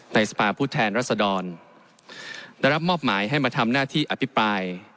สภาพผู้แทนรัศดรได้รับมอบหมายให้มาทำหน้าที่อภิปราย